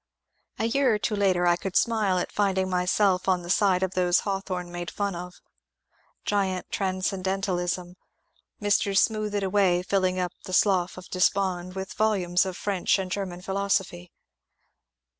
A year or two later I could smile at finding myself on the side of those Hawthorne made fun of — Giant Trancendentalism, and Mr. Smoothe it away filling up the Slough of Despond with volumes of French and German philosophy.